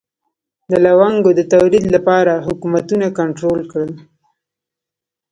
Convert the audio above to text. د لونګو د تولید لپاره حکومتونه کنټرول کړل.